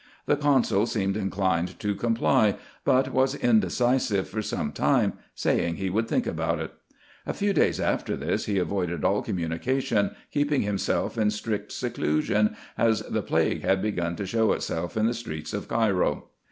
The consul seemed inclined to comply, but was indecisive for some time, saying he would think about it. A few days after this, he avoided all communication, keeping himself in strict seclusion, as the plague had begun to show itself in the streets of Cairo.